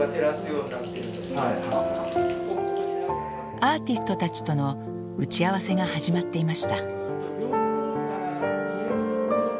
アーティストたちとの打ち合わせが始まっていました。